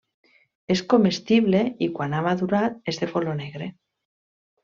És comestible i, quan ha madurat, és de color negre.